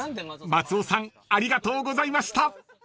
［松尾さんありがとうございました］